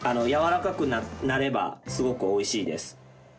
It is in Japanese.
やわらかくなればすごくおいしいです。